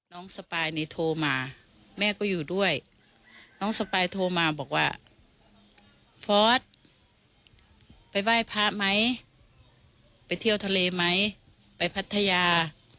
สปายนี่โทรมาแม่ก็อยู่ด้วยน้องสปายโทรมาบอกว่าฟอร์สไปไหว้พระไหมไปเที่ยวทะเลไหมไปพัทยา